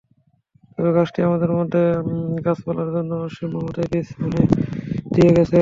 তবে গাছটি আমার মধ্যে গাছপালার জন্য অসীম মমতার বীজ বুনে দিয়ে গেছে।